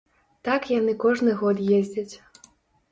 Так яны кожны год ездзяць.